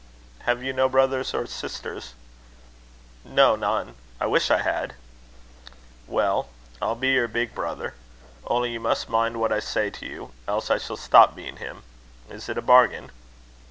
"Have you no brothers or sisters?" "No, none. I wish I had." "Well, I'll be your big brother. Only you must mind what I say to you; else I shall stop being him. Is it a bargain?"